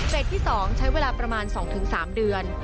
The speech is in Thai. เฟซที่สองใช้เวลาประมาณ๒๓เดือน